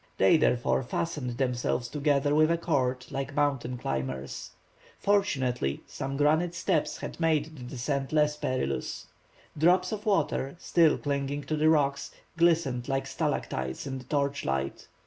They, therefore, fastened themselves together with a cord, like mountain climbers. Fortunately, some granite steps made the descent less perilous. Drops of water, still clinging to the rocks, glistened like stalactites in the torchlight.